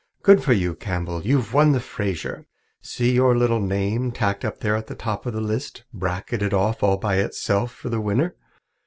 "Good for you, Campbell! You've won the Fraser. See your little name tacked up there at the top of the list, bracketed off all by itself for the winner?